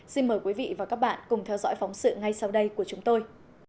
xin mời quý vị và các bạn cùng theo dõi phóng sự ngay sau đây của chúng tôi